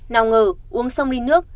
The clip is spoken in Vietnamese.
nào ngờ uống xong ly nước